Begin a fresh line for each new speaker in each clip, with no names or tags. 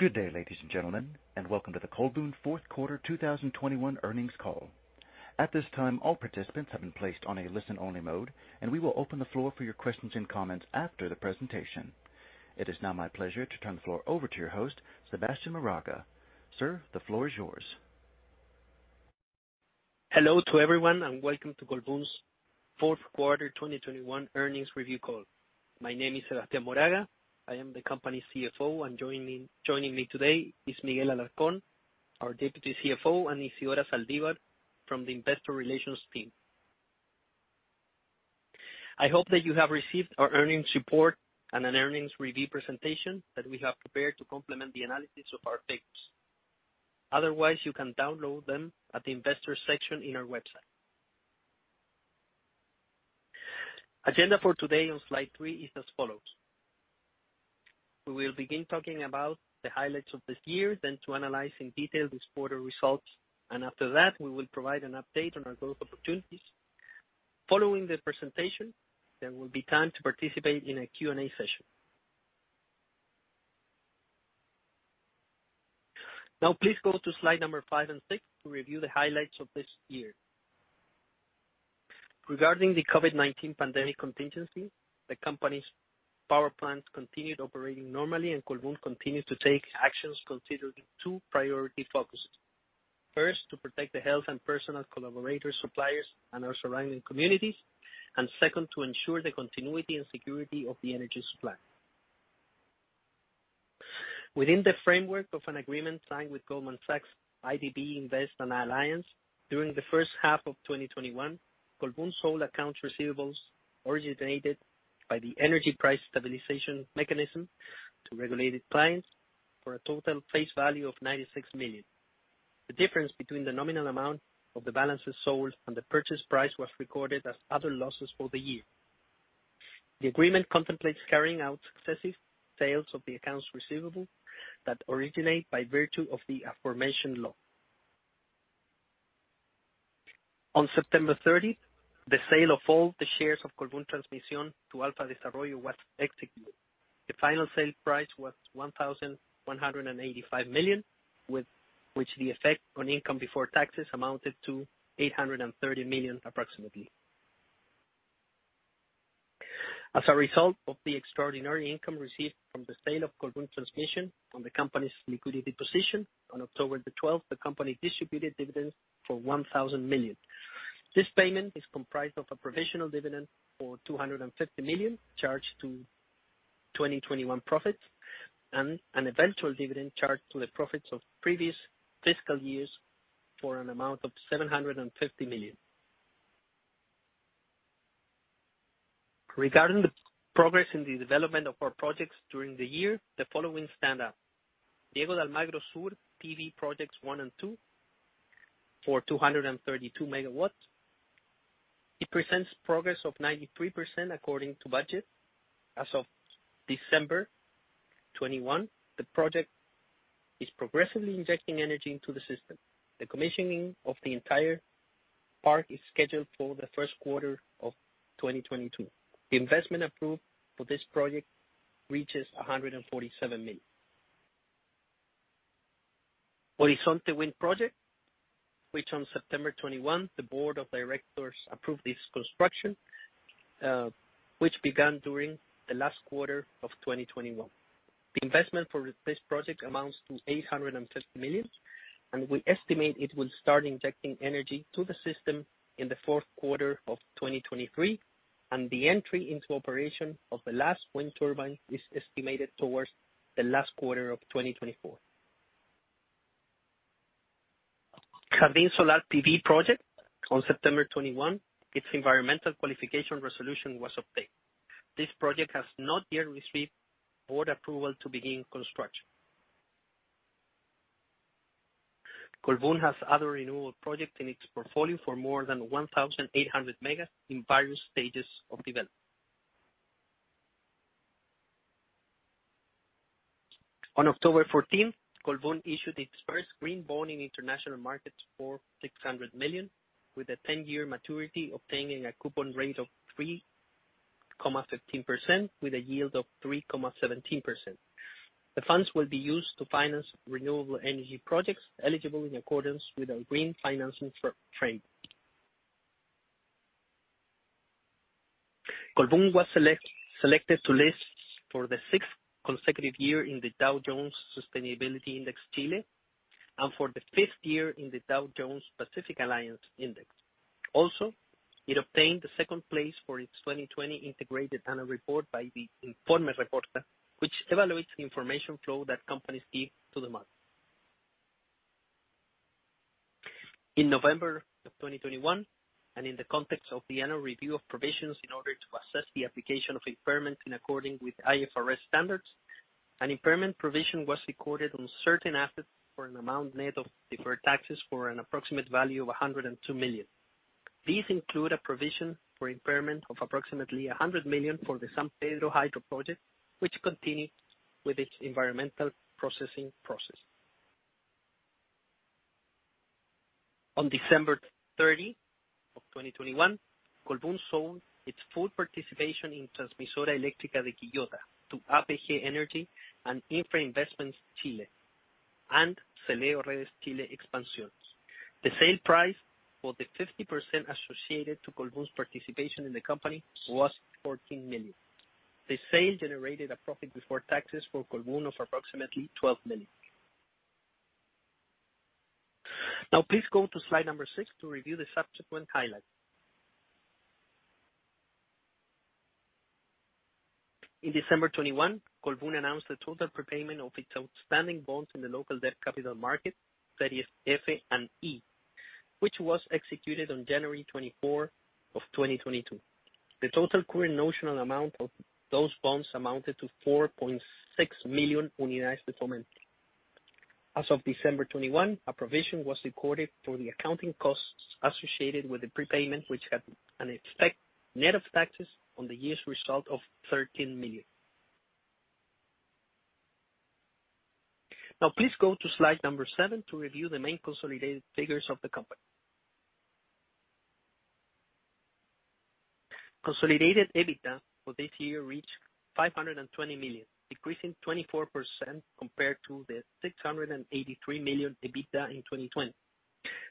Good day, ladies and gentlemen, and welcome to the Colbún Fourth Quarter 2021 Earnings Call. At this time, all participants have been placed on a listen-only mode, and we will open the floor for your questions and comments after the presentation. It is now my pleasure to turn the floor over to your host, Sebastian Moraga. Sir, the floor is yours.
Hello to everyone, and welcome to Colbún's Fourth Quarter 2021 Earnings Review Call. My name is Sebastian Moraga. I am the company's CFO, and joining me today is Miguel Alarcón, our Deputy CFO, and Isidora Zaldívar from the investor relations team. I hope that you have received our earnings report and an earnings review presentation that we have prepared to complement the analysis of our papers. Otherwise, you can download them at the investor section in our website. Agenda for today on slide three is as follows. We will begin talking about the highlights of this year, then to analyze in detail this quarter results, and after that, we will provide an update on our growth opportunities. Following the presentation, there will be time to participate in a Q&A session. Now, please go to slide number five and six to review the highlights of this year. Regarding the COVID-19 pandemic contingency, the company's power plants continued operating normally, and Colbún continues to take actions considering two priority focuses. First, to protect the health and personnel collaborators, suppliers, and our surrounding communities. Second, to ensure the continuity and security of the energy supply. Within the framework of an agreement signed with Goldman Sachs, IDB Invest, and Allianz during the first half of 2021, Colbún sold accounts receivables originated by the energy price stabilization mechanism to regulated clients for a total face value of $96 million. The difference between the nominal amount of the balances sold and the purchase price was recorded as other losses for the year. The agreement contemplates carrying out successive sales of the accounts receivable that originate by virtue of the aforementioned law. On September 30, the sale of all the shares of Colbún Transmisión to Alfa Desarrollo was executed. The final sale price was $1,185 million, with which the effect on income before taxes amounted to $830 million, approximately. As a result of the extraordinary income received from the sale of Colbún Transmisión on the company's liquidity position, on October 12, the company distributed dividends for $1,000 million. This payment is comprised of a provisional dividend for $250 million, charged to 2021 profits, and an eventual dividend charged to the profits of previous fiscal years for an amount of $750 million. Regarding the progress in the development of our projects during the year, the following stand out: Diego de Almagro Sur PV Projects One and Two for 232 MW. It presents progress of 93% according to budget. As of December 2021, the project is progressively injecting energy into the system. The commissioning of the entire park is scheduled for the first quarter of 2022. The investment approved for this project reaches $147 million. Horizonte Wind Project, which on September 2021, the board of directors approved its construction, which began during the last quarter of 2021. The investment for this project amounts to $850 million, and we estimate it will start injecting energy to the system in the fourth quarter of 2023. The entry into operation of the last wind turbine is estimated towards the last quarter of 2024. Cadin Solar PV Project. On September 2021, its environmental qualification resolution was obtained. This project has not yet received board approval to begin construction. Colbún has other renewable projects in its portfolio for more than 1,800 MW in various stages of development. On October 14, Colbún issued its first green bond in international markets for $600 million, with a 10-year maturity, obtaining a coupon rate of 3.15% with a yield of 3.17%. The funds will be used to finance renewable energy projects eligible in accordance with our green financing framework. Colbún was selected to list for the sixth consecutive year in the Dow Jones Sustainability Chile Index, and for the fifth year in the Dow Jones Pacific Alliance Index. It obtained the second place for its 2020 integrated annual report by the Informe Reporta, which evaluates the information flow that companies give to the market. In November of 2021, in the context of the annual review of provisions in order to assess the application of impairment in accordance with IFRS standards, an impairment provision was recorded on certain assets for an amount net of deferred taxes for an approximate value of $102 million. These include a provision for impairment of approximately $100 million for the San Pedro Hydro Project, which continued with its environmental processing process. On December 30, 2021, Colbún sold its full participation in Transmisora Eléctrica de Quillota to APG Energy and Infra Investments Chile, and Celeo Redes Chile Expansión. The sale price for the 50% associated to Colbún's participation in the company was $14 million. The sale generated a profit before taxes for Colbún of approximately $12 million. Now please go to slide number six to review the subsequent highlights. In December 2021, Colbún announced the total prepayment of its outstanding bonds in the local debt capital market, that is F&E, which was executed on January 24, 2022. The total current notional amount of those bonds amounted to $4.6 million. As of December 2021, a provision was recorded for the accounting costs associated with the prepayment, which had an effect net of taxes on the year's result of $13 million. Now please go to slide seven to review the main consolidated figures of the company. Consolidated EBITDA for this year reached $520 million, decreasing 24% compared to the $683 million EBITDA in 2020.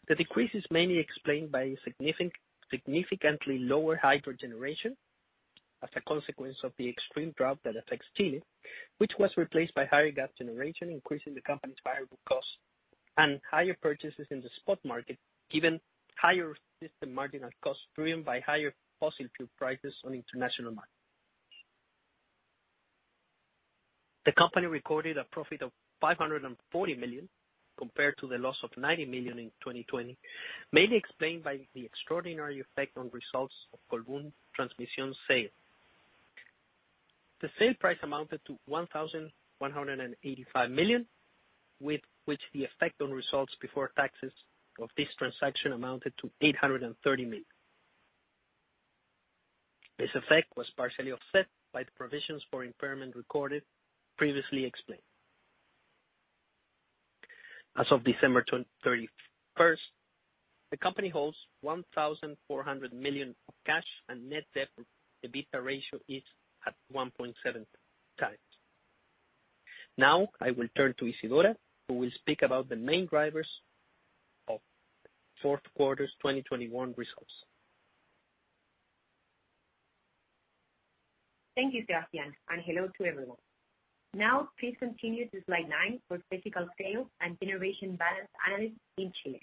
The decrease is mainly explained by significantly lower hydro generation as a consequence of the extreme drought that affects Chile, which was replaced by higher gas generation, increasing the company's variable costs and higher purchases in the spot market, given higher system marginal costs driven by higher fossil fuel prices on international markets. The company recorded a profit of $540 million, compared to the loss of $90 million in 2020, mainly explained by the extraordinary effect on results of Colbún Transmisión's sale. The sale price amounted to $1,185 million, with which the effect on results before taxes of this transaction amounted to $830 million. This effect was partially offset by the provisions for impairment recorded previously explained. As of December 31, 2021, the company holds $1,400 million of cash, and net debt to EBITDA ratio is at 1.7x. Now, I will turn to Isidora, who will speak about the main drivers of fourth quarter's 2021 results.
Thank you, Sebastian, and hello to everyone. Now, please continue to slide nine for physical sales and generation balance analysis in Chile.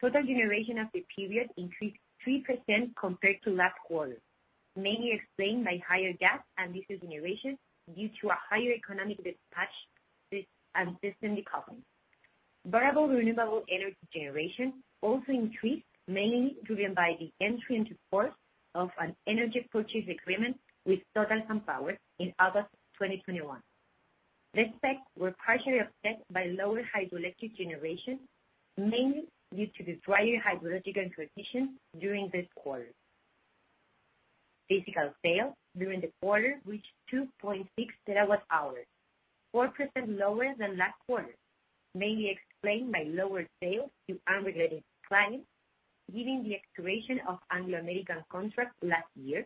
Total generation of the period increased 3% compared to last quarter, mainly explained by higher gas and diesel generation due to a higher economic dispatch and system decoupling. Variable renewable energy generation also increased, mainly driven by the entry into force of an energy purchase agreement with Total Eren in August 2021. These facts were partially offset by lower hydroelectric generation, mainly due to the drier hydrological conditions during this quarter. Physical sales during the quarter reached 2.6 TWh, 4% lower than last quarter, mainly explained by lower sales to unregulated clients, given the expiration of Anglo American contract last year,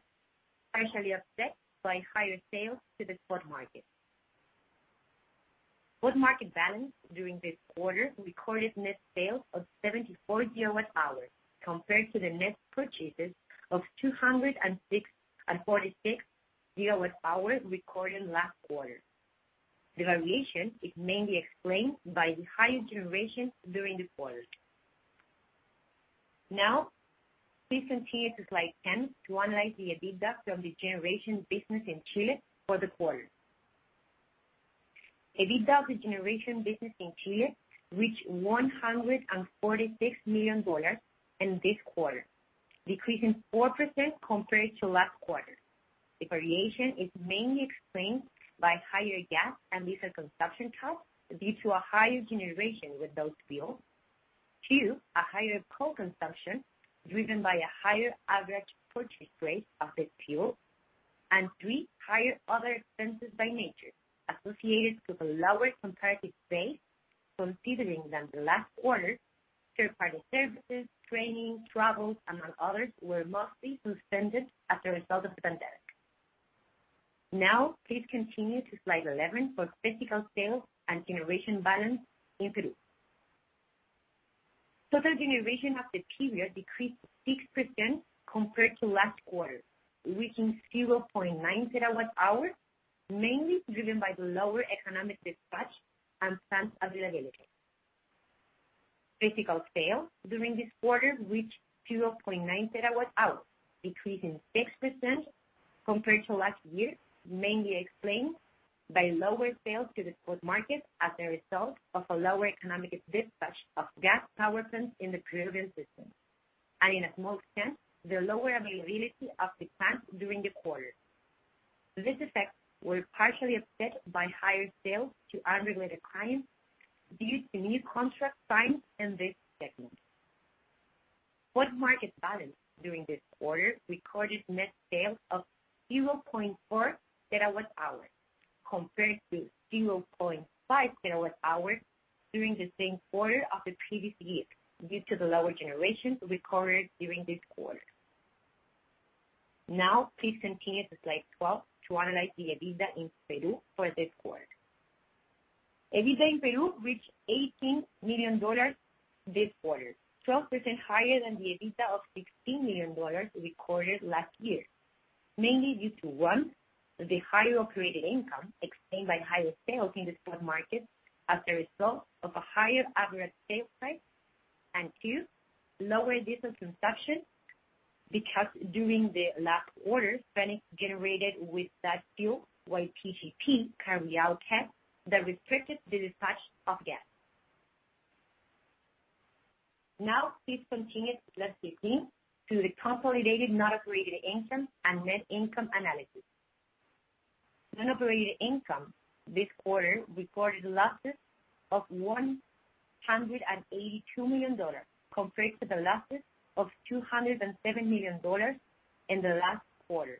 partially offset by higher sales to the spot market. Spot market balance during this quarter recorded net sales of 74 GWh compared to the net purchases of 266 GWh recorded last quarter. The variation is mainly explained by the higher generation during the quarter. Now, please continue to slide 10 to analyze the EBITDA from the generation business in Chile for the quarter. EBITDA for generation business in Chile reached $146 million in this quarter, decreasing 4% compared to last quarter. The variation is mainly explained by higher gas and diesel consumption costs due to a higher generation with those fuels. Two, a higher coal consumption driven by a higher average purchase price of this fuel. Three, higher other expenses by nature associated with a lower comparative base, considering that last quarter, third-party services, training, travel, among others, were mostly suspended as a result of the pandemic. Now, please continue to slide 11 for physical sales and generation balance in Peru. Total generation of the period decreased 6% compared to last quarter, reaching 0.9 TWh, mainly driven by the lower economic dispatch and plant availability. Physical sales during this quarter reached 0.9 TWh, decreasing 6% compared to last year, mainly explained by lower sales to the spot market as a result of a lower economic dispatch of gas power plants in the Peruvian system, and in a small extent, the lower availability of the plant during the quarter. This effect was partially offset by higher sales to unregulated clients due to new contracts signed in this segment. Spot market balance during this quarter recorded net sales of 0.4 TWh compared to 0.5 TWh during the same quarter of the previous year, due to the lower generation recorded during this quarter. Now please continue to slide 12 to analyze the EBITDA in Peru for this quarter. EBITDA in Peru reached $18 million this quarter, 12% higher than the EBITDA of $16 million recorded last year, mainly due to, one, the higher operating income explained by higher sales in the spot market as a result of a higher average sales price. And two, lower diesel consumption because during the last quarter, Fenix generated with that fuel while PGP carried out tests that restricted the dispatch of gas. Now please continue to slide 15 to the consolidated non-operating income and net income analysis. Non-operating income this quarter recorded losses of $182 million compared to the losses of $207 million in the last quarter.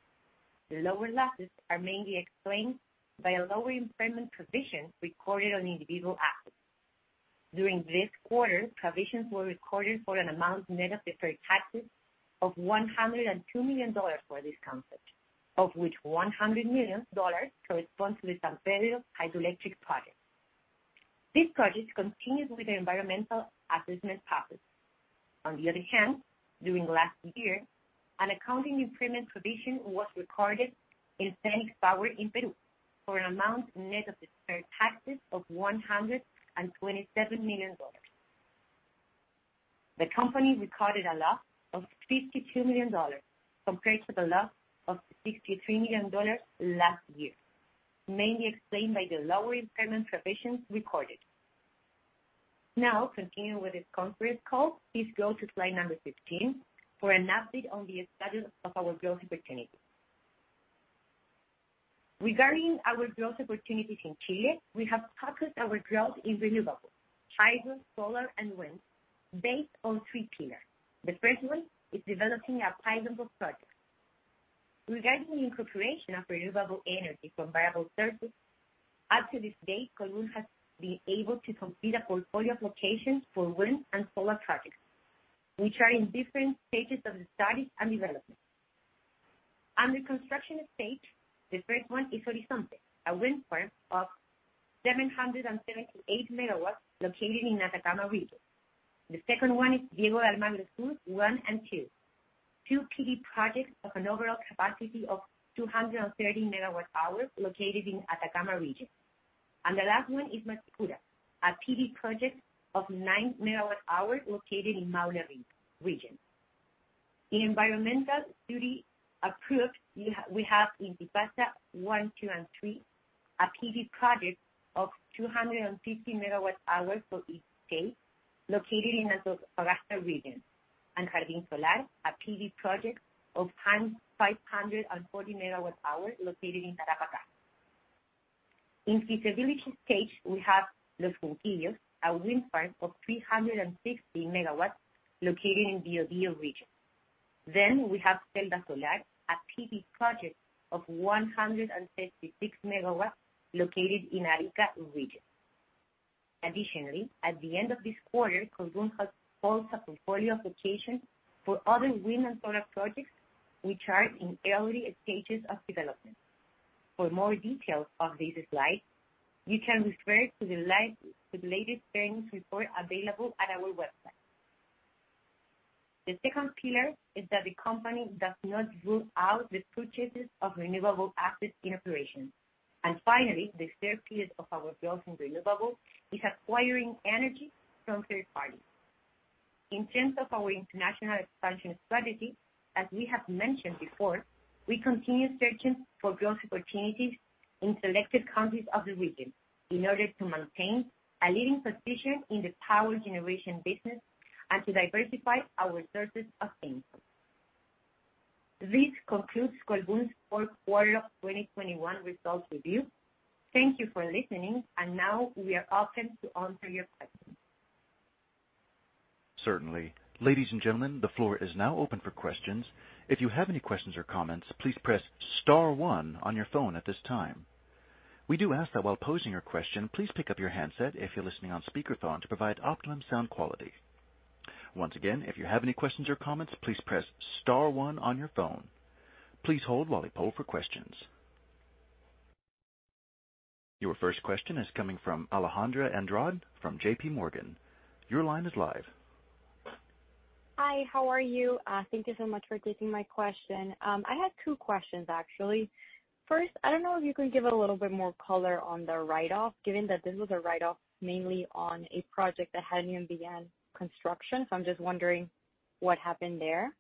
Lower losses are mainly explained by a lower impairment provision recorded on individual assets. During this quarter, provisions were recorded for an amount net of deferred taxes of $102 million for this concept, of which $100 million corresponds to the San Pedro hydroelectric project. This project continues with the environmental assessment process. On the other hand, during last year, an accounting impairment provision was recorded in Fenix Power in Peru for an amount net of deferred taxes of $127 million. The company recorded a loss of $52 million compared to the loss of $63 million last year, mainly explained by the lower impairment provisions recorded. Now, continuing with this conference call, please go to slide number 15 for an update on the status of our growth opportunities. Regarding our growth opportunities in Chile, we have focused our growth in renewables, hydro, solar, and wind based on three pillars. The first one is developing a pipeline of projects. Regarding the incorporation of renewable energy from variable sources, up to this date, Colbún has been able to complete a portfolio of locations for wind and solar projects, which are in different stages of studies and development. Under construction stage, the first one is Horizonte, a wind farm of 778 MW located in Atacama Region. The second one is Diego de Almagro Sur, two PV projects of an overall capacity of 230 MW located in Atacama Region. The last one is Machicura, a PV project of 9 MW located in Maule Region. In environmental study approved, we have Inti Pacha one, two, and three, a PV project of 250 MW for each stage located in Antofagasta Region. Jardin Solar, a PV project of 540 MW located in Tarapacá. In feasibility stage, we have Los Puquios, a wind farm of 360 MW located in Biobío Region. We have Celda Solar, a PV project of 136 MW located in Arica Region. Additionally, at the end of this quarter, Colbún has built a portfolio of locations for other wind and solar projects, which are in early stages of development. For more details on this slide, you can refer to the latest earnings report available at our website. The second pillar is that the company does not rule out the purchases of renewable assets in operation. Finally, the third pillar of our growth in renewable is acquiring energy from third parties. In terms of our international expansion strategy, as we have mentioned before, we continue searching for growth opportunities in selected countries of the region in order to maintain a leading position in the power generation business and to diversify our sources of income. This concludes Colbún's fourth quarter of 2021 results review. Thank you for listening, and now we are open to answer your questions.
Certainly. Ladies and gentlemen, the floor is now open for questions. If you have any questions or comments, please press star one on your phone at this time. We do ask that while posing your question, please pick up your handset if you're listening on speakerphone to provide optimum sound quality. Once again, if you have any questions or comments, please press star one on your phone. Please hold while we poll for questions. Your first question is coming from Alejandra Andrade from JP Morgan. Your line is live.
Hi, how are you? Thank you so much for taking my question. I had two questions, actually. First, I don't know if you can give a little bit more color on the write-off, given that this was a write-off mainly on a project that hadn't even began construction. I'm just wondering what happened there.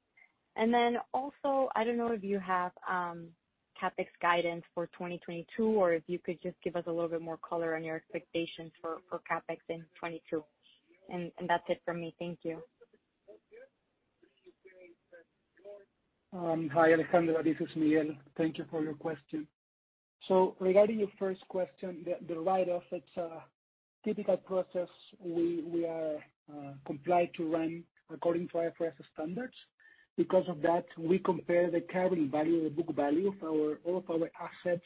I don't know if you have CapEx guidance for 2022, or if you could just give us a little bit more color on your expectations for CapEx in 2022. That's it from me. Thank you.
Hi, Alejandra. This is Miguel. Thank you for your question. Regarding your first question, the write-off, it's a typical process we have to run according to IFRS standards. Because of that, we compare the carrying value, the book value of all of our assets,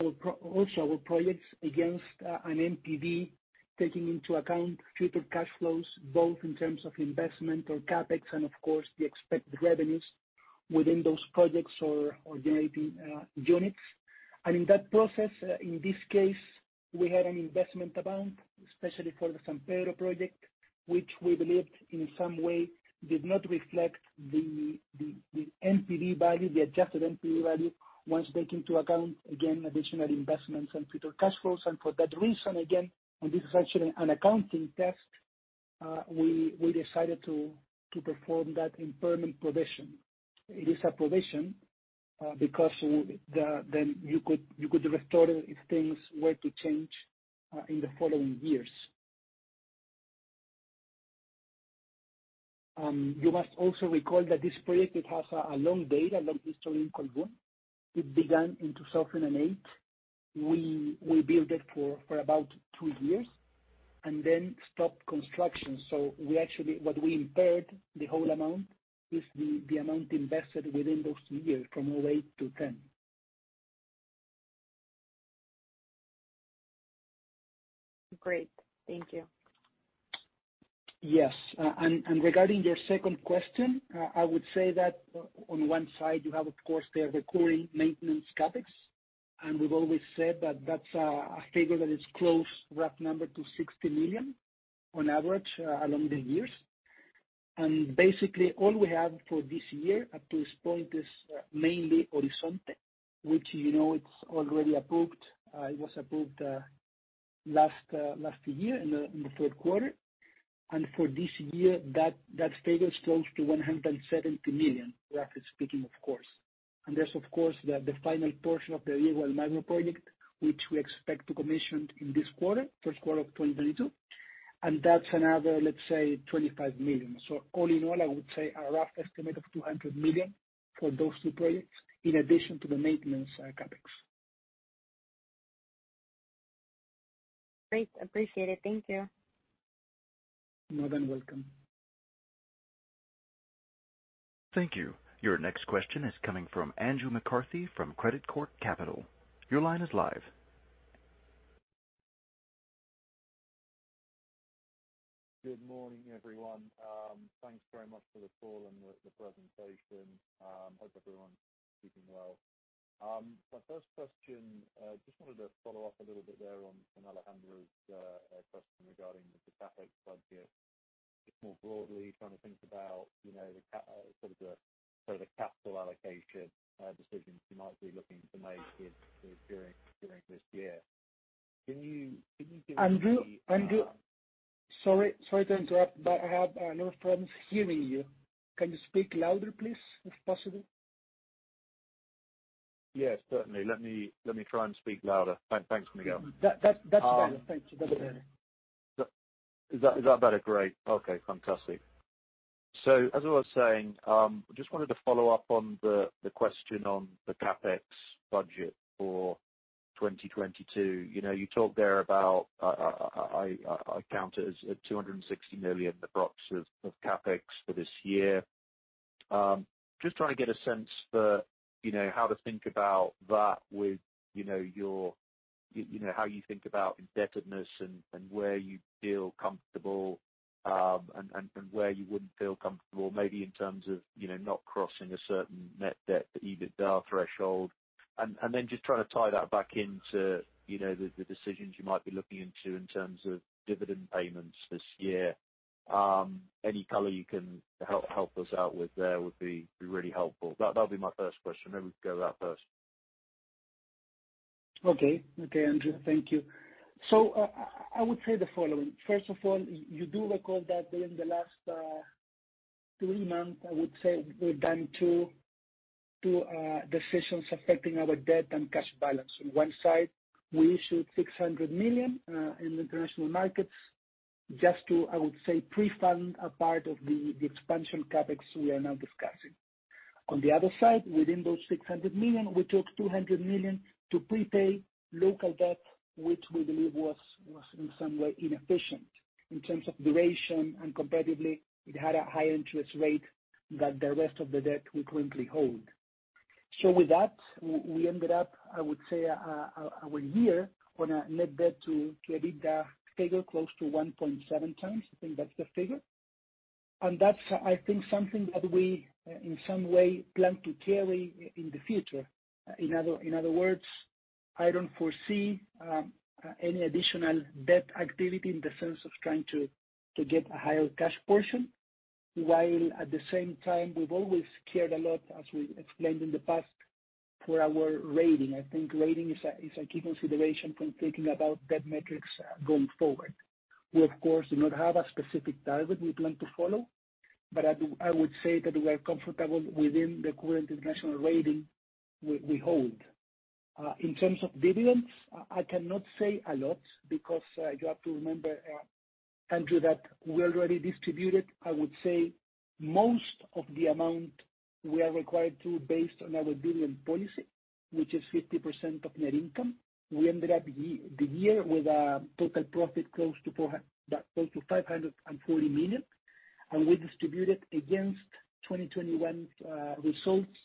also our projects against an NPV, taking into account future cash flows, both in terms of investment or CapEx and of course, the expected revenues within those projects or generating units. In that process, in this case, we had an investment amount, especially for the San Pedro project, which we believed in some way did not reflect the NPV value, the adjusted NPV value, once taken into account, again, additional investments and future cash flows. For that reason, again, this is actually an accounting test, we decided to perform that impairment provision. It is a provision because then you could restore it if things were to change in the following years. You must also recall that this project has a long history in Colbún. It began in 2008. We built it for about two years and then stopped construction. We actually impaired the whole amount, the amount invested within those two years, from 2008 to 2010.
Great. Thank you.
Yes. Regarding your second question, I would say that on one side you have, of course, the recurring maintenance CapEx. We've always said that that's a figure that is close, rough number, to $60 million on average along the years. Basically, all we have for this year at this point is mainly Horizonte, which, you know, it's already approved. It was approved last year in the third quarter. For this year, that figure is close to $170 million, roughly speaking of course. There's of course the final portion of the Rio Blanco project, which we expect to commission in this quarter, first quarter of 2022. That's another, let's say, $25 million. All in all, I would say a rough estimate of $200 million for those two projects in addition to the maintenance CapEx.
Great. Appreciate it. Thank you.
More than welcome.
Thank you. Your next question is coming from Andrew McCarthy from Credicorp Capital. Your line is live.
Good morning, everyone. Thanks very much for the call and the presentation. Hope everyone's doing well. My first question, just wanted to follow up a little bit there on Alejandra's question regarding the CapEx budget. Just more broadly trying to think about, you know, sort of the capital allocation decisions you might be looking to make during this year. Can you give me-
Andrew? Sorry to interrupt, but I have a little problem hearing you. Can you speak louder, please, if possible?
Yes, certainly. Let me try and speak louder. Thanks, Miguel.
That's better. Thank you. That's better.
Is that better? Great. Okay, fantastic. As I was saying, just wanted to follow up on the question on the CapEx budget for 2022. You know, you talked there about, I count it as $260 million, the blocks of CapEx for this year. Just trying to get a sense for, you know, how to think about that with, you know, your... You know, how you think about indebtedness and where you feel comfortable, and where you wouldn't feel comfortable maybe in terms of, you know, not crossing a certain net debt to EBITDA threshold. Then just trying to tie that back into, you know, the decisions you might be looking into in terms of dividend payments this year. Any color you can help us out with there would be really helpful. That'll be my first question. Maybe we could go with that first.
Okay. Okay, Andrew. Thank you. I would say the following. First of all, you do recall that during the last three months, I would say we've done two decisions affecting our debt and cash balance. On one side, we issued $600 million in international markets just to, I would say, pre-fund a part of the expansion CapEx we are now discussing. On the other side, within those $600 million, we took $200 million to prepay local debt, which we believe was in some way inefficient in terms of duration, and competitively, it had a higher interest rate than the rest of the debt we currently hold. With that, we ended up, I would say, our year on a net debt-to-EBITDA figure close to 1.7x. I think that's the figure. That's, I think, something that we in some way plan to carry in the future. In other words, I don't foresee any additional debt activity in the sense of trying to get a higher cash portion, while at the same time, we've always cared a lot, as we explained in the past, for our rating. I think rating is a key consideration when thinking about debt metrics going forward. We, of course, do not have a specific target we plan to follow, but I would say that we are comfortable within the current international rating we hold. In terms of dividends, I cannot say a lot because you have to remember, Andrew, that we already distributed, I would say, most of the amount we are required to, based on our dividend policy, which is 50% of net income. We ended up the year with a total profit close to $540 million, and we distributed against 2021 results,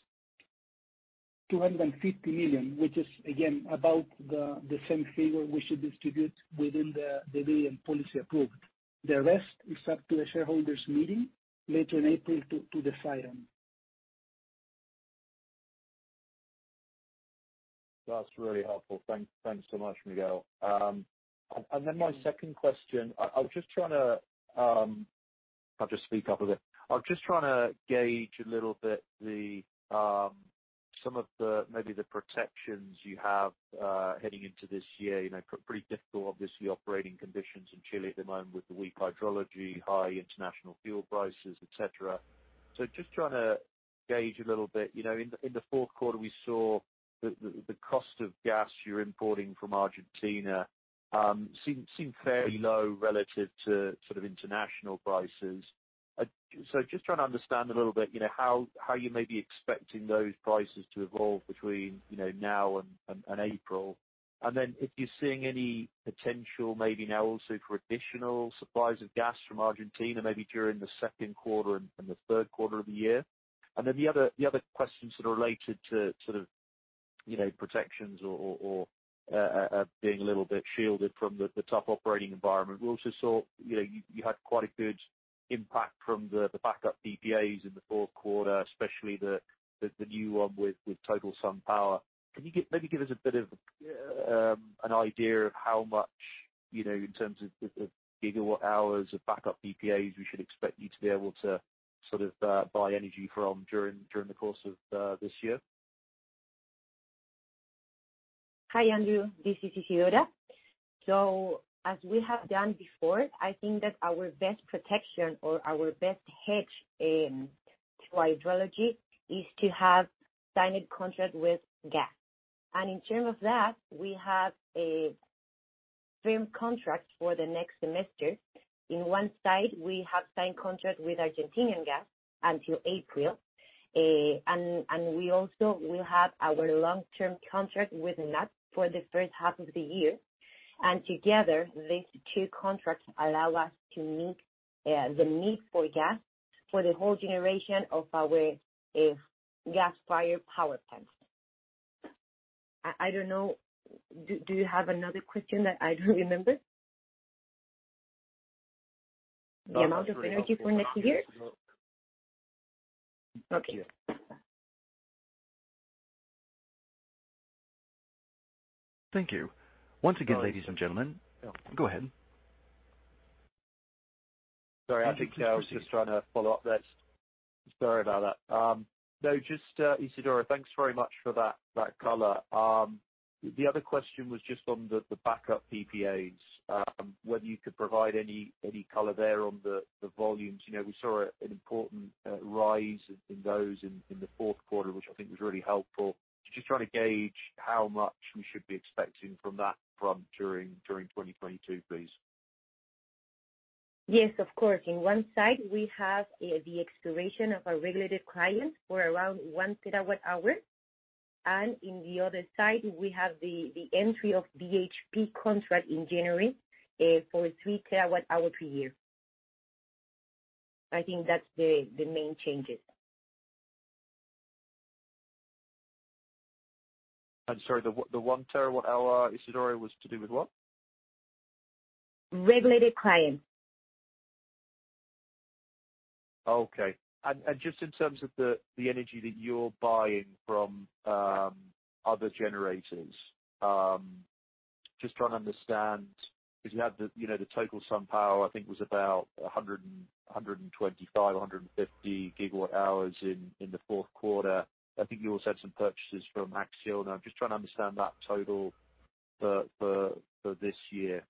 $250 million. Which is again, about the same figure we should distribute within the dividend policy approved. The rest is up to the shareholders' meeting later in April to decide on.
That's really helpful. Thanks so much, Miguel. Then my second question. I'll just speak up a bit. I was just trying to gauge a little bit the some of the, maybe the protections you have heading into this year. You know, pretty difficult, obviously, operating conditions in Chile at the moment with the weak hydrology, high international fuel prices, et cetera. Just trying to gauge a little bit, you know, in the fourth quarter, we saw the cost of gas you're importing from Argentina seemed fairly low relative to sort of international prices. Just trying to understand a little bit, you know, how you may be expecting those prices to evolve between, you know, now and April. If you're seeing any potential maybe now also for additional supplies of gas from Argentina, maybe during the second quarter and the third quarter of the year. The other questions that are related to sort of, you know, protections or being a little bit shielded from the tough operating environment. We also saw, you know, you had quite a good impact from the backup PPAs in the fourth quarter, especially the new one with Total Eren. Can you maybe give us a bit of an idea of how much, you know, in terms of GWh of backup PPAs we should expect you to be able to sort of buy energy from during the course of this year?
Hi, Andrew. This is Isidora. As we have done before, I think that our best protection or our best hedge to hydrology is to have signed a contract with gas. In terms of that, we have a firm contract for the next semester. On one side, we have signed contract with Argentinian Gas until April. We also will have our long-term contract with ENAP for the first half of the year. Together, these two contracts allow us to meet the need for gas for the whole generation of our gas-fired power plants. I don't know. Do you have another question that I don't remember?
No.
The amount of energy for next year? Okay.
Thank you. Once again, ladies and gentlemen. Go ahead.
Sorry, I think I was just trying to follow up that. Sorry about that. No, just, Isidora, thanks very much for that color. The other question was just on the backup PPAs, whether you could provide any color there on the volumes. You know, we saw an important rise in those in the fourth quarter, which I think was really helpful. Just trying to gauge how much we should be expecting from that front during 2022, please.
Yes, of course. On one side, we have the expiration of our regulated clients for around 1 TWh. On the other side, we have the entry of BHP contract in January for 3 TWh per year. I think that's the main changes.
I'm sorry, the 1 TWh, Isidora, was to do with what?
Regulated clients.
Just in terms of the energy that you're buying from other generators. Just trying to understand, 'cause you had the, you know, the Total Sun Power. I think it was about 125-150 GWh in the fourth quarter. I think you also had some purchases from Acciona. I'm just trying to understand that total for this year.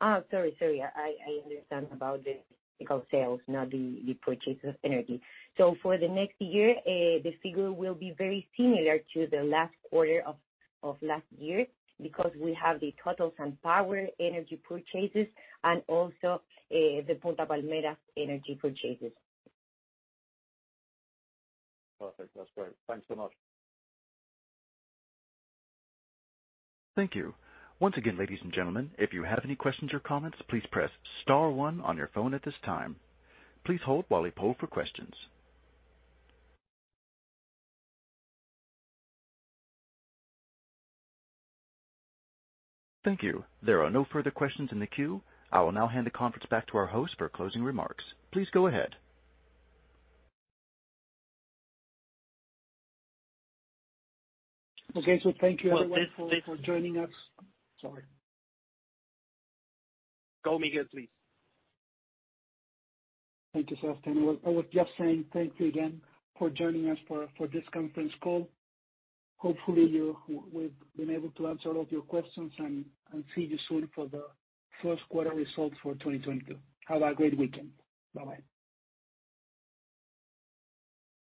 Oh, sorry. I understand about the physical sales, not the purchase of energy. For the next year, the figure will be very similar to the last quarter of last year because we have the Total Sun Power energy purchases and also the Punta Palmeras energy purchases.
Perfect. That's great. Thanks so much.
Thank you. Once again, ladies and gentlemen, if you have any questions or comments, please press star one on your phone at this time. Please hold while we poll for questions. Thank you. There are no further questions in the queue. I will now hand the conference back to our host for closing remarks. Please go ahead.
Okay. Thank you everyone for joining us. Sorry. Go, Miguel, please. Thank you, Sebastian. I was just saying thank you again for joining us for this conference call. Hopefully, we've been able to answer all of your questions, and see you soon for the first quarter results for 2022. Have a great weekend. Bye-bye.